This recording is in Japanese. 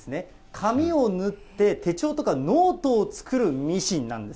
紙を縫って手帳とかノートを作るミシンなんです。